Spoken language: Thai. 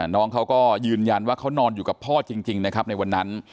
น้องเขาก็ยืนยันว่าเขานอนอยู่กับพ่อจริงนะครับในวันนั้น